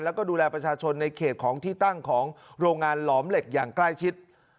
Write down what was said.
แล้วก็ดูแลประชาชนในเขตของที่ตั้งของโรงงานหลอมเหล็กอย่างใกล้ชิด